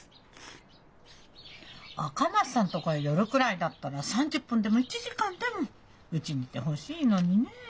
赤松さんとこへ寄るくらいだったら３０分でも１時間でもうちにいてほしいのにねえ。